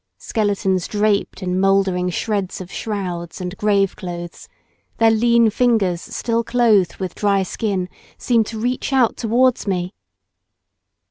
Skeletons draped in mouldering shreds of shrouds and grave clothes, their lean fingers still clothed with dry skin, seemed to reach out towards me.